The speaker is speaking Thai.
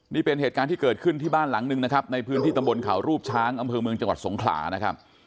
นี่เป็นเหตุการณ์ที่เกิดขึ้นที่บ้านหลังหนึ่งนะครับในพื้นที่ตำบลเขารูปช้างอำเภอเมืองจังหวัดสงขลานะครับ